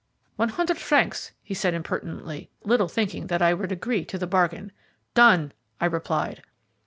"One hundred francs," he answered impertinently, little thinking that I would agree to the bargain. "Done!" I replied.